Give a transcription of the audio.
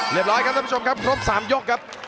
ร้อยครับท่านผู้ชมครับครบ๓ยกครับ